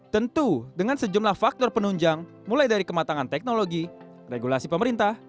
tentu dengan sejumlah faktor penunjang mulai dari kematangan teknologi regulasi pemerintah